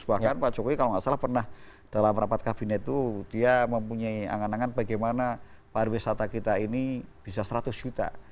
bahkan pak jokowi kalau nggak salah pernah dalam rapat kabinet itu dia mempunyai angan angan bagaimana pariwisata kita ini bisa seratus juta